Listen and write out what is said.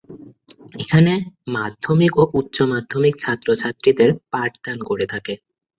এখানে মাধ্যমিক ও উচ্চমাধ্যমিক ছাত্রছাত্রীদের পাঠদান করে থাকে।